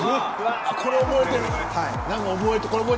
これ覚えてる。